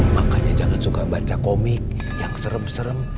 makanya jangan suka baca komik yang serem serem